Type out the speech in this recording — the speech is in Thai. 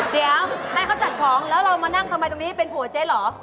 เดี๋ยวให้เขาจัดของแล้วเรามานั่งทำไมตรงนี้เป็นผัวเจ๊เหรอ